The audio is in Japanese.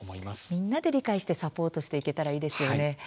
みんなで理解してサポートしていけたらいいですよね。